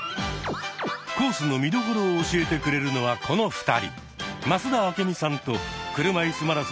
コースの見どころを教えてくれるのはこの２人。